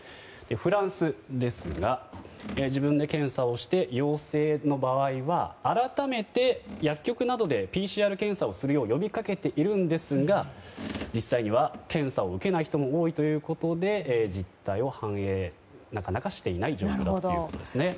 フランスですが自分で検査をして陽性の場合は、改めて薬局などでＰＣＲ検査をするよう呼びかけているんですが実際には検査を受けない人も多いということで実態を反映はなかなかしていない状況ということです。